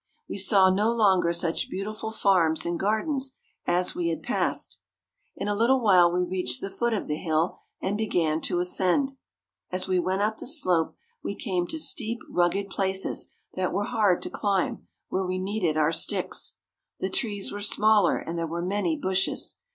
We saw no longer such beautiful farms and gardens as we had passed. [Illustration: "AS WE WENT UP THE SLOPE."] In a little while we reached the foot of the hill and began to ascend. As we went up the slope, we came to steep, rugged places that were hard to climb, where we needed our sticks. The trees were smaller, and there were many bushes.